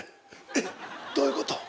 えっ⁉どういうこと？